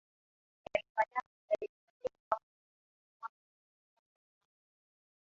Yaliyofanyika mwaka wa elfu moja mia tisa kumi na moja